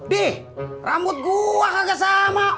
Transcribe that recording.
di rambut gua hanya sama